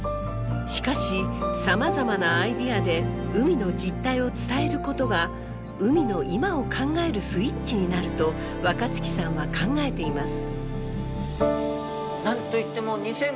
しかしさまざまなアイデアで海の実態を伝えることが海の今を考えるスイッチになると若月さんは考えています。